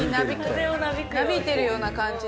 なびいてるような感じで。